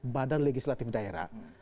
badan legislatif daerah